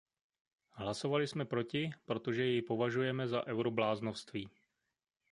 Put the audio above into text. Hlasovali jsme proti, protože jej považujeme za eurobláznovství.